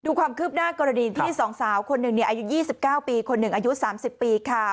ความคืบหน้ากรณีที่สองสาวคนหนึ่งอายุ๒๙ปีคนหนึ่งอายุ๓๐ปีค่ะ